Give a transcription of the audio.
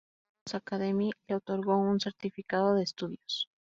La "Barbados Academy", le otorgó un certificado de estudios.